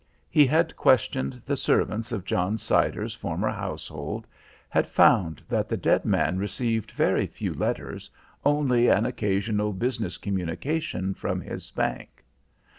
He had questioned the servants of John Siders' former household, had found that the dead man received very few letters, only an occasional business communication from his bank.